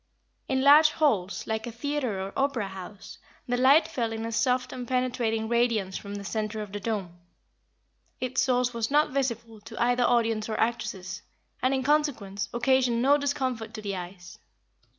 In large halls, like a theatre or opera house, the light fell in a soft and penetrating radiance from the center of the dome. Its source was not visible to either audience or actresses, and, in consequence, occasioned no discomfort to the eyes.